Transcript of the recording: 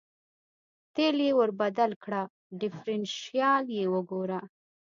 تېل یې ور بدل کړه، ډېفرېنشیال یې وګوره.